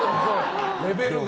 レベルが。